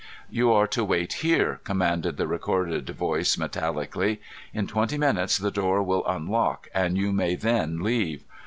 "You are to wait here," commanded the recorded voice metallically. "In twenty minutes the door will unlock and you may then leave.